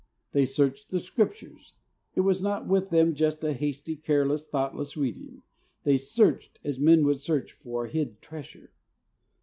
They searched the Scriptures. It was not with them just a hasty, careless, thoughtless reading; they searched as men would search for hid treasure.